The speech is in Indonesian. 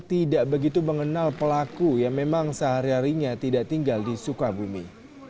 tidak begitu mengenal pelaku yang memang sehari harinya tidak tinggal di sukabumi